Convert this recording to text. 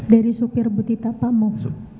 dari supir butita pak moh